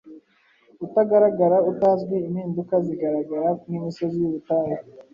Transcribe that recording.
Utagaragara, utazwi; impinduka zigaragara nkimisozi yubutayu,